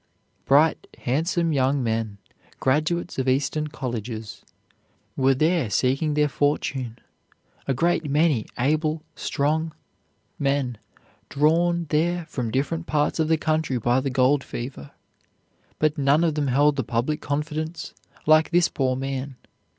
Bright, handsome young men, graduates of Eastern colleges, were there seeking their fortune; a great many able, strong men drawn there from different parts of the country by the gold fever; but none of them held the public confidence like this poor man.